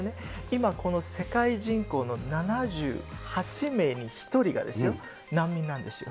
今、この世界人口の７８名に１人が難民なんですよ。